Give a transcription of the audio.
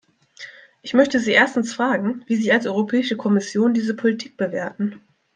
Ich möchte Sie erstens fragen, wie Sie als Europäische Kommission diese Politik bewerten.